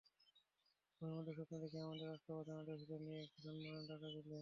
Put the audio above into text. ঘুমের মধ্যে স্বপ্নে দেখি আমাদের রাষ্ট্রপ্রধান আদিবাসীদের নিয়ে একটি সম্মেলনের ডাক দিলেন।